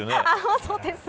そうですね。